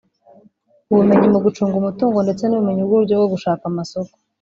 ubumenyi mu gucunga umutungo ndetse n’ubumenyi bw’uburyo bwo gushaka amasoko